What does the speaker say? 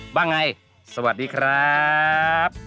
ว่าอย่างไรสวัสดีครับ